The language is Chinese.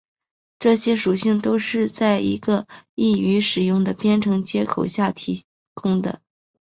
这些属性都是在一个易于使用的编程接口下提供的。